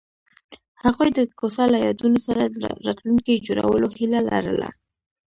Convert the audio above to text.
هغوی د کوڅه له یادونو سره راتلونکی جوړولو هیله لرله.